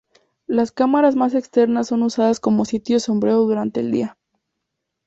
Las cámaras más externas son usadas como sitio sombreado durante el día.